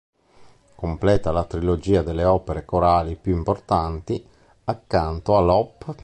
Completa la trilogia delle opere corali più importanti, accanto all'Op.